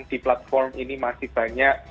di platform ini masih banyak